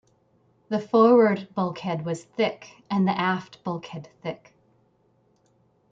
The forward bulkhead was thick and the aft bulkhead thick.